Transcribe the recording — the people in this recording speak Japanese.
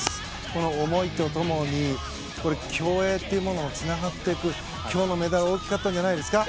この思いと共に競泳というものにつながっていく今日のメダル大きかったんじゃないですか。